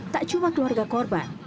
tak cuma keluarga korban